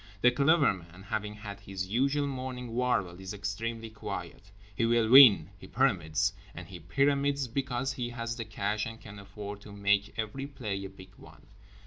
The Clever Man, having had his usual morning warble, is extremely quiet. He will win, he pyramids—and he pyramids because he has the cash and can afford to make every play a big one.